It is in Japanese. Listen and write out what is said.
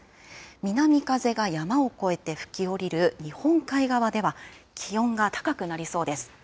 南風が山を越えて吹き降りる日本海側では、気温が高くなりそうです。